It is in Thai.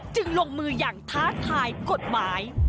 จึงลงมืออย่างท้าทายกฎหมาย